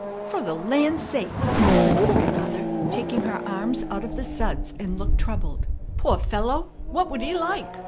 "Fer the land sakes!" said the grandmother, taking her arms out of the suds and looked troubled. "Poor fellow! What would he like?